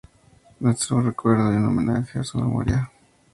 Nuestro recuerdo y un homenaje a su memoria.